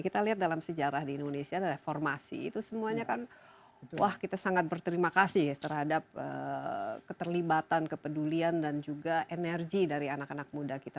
kita lihat dalam sejarah di indonesia reformasi itu semuanya kan wah kita sangat berterima kasih ya terhadap keterlibatan kepedulian dan juga energi dari anak anak muda kita